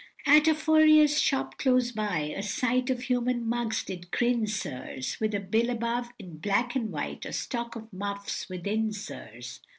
At a furrier's shop close by, a sight Of human mugs did grin, sirs, With a bill above, in black and white, "A stock of muffs within, sirs!"